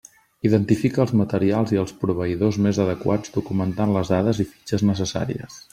Identifica els materials i els proveïdors més adequats documentant les dades i fitxes necessàries.